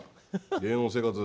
芸能生活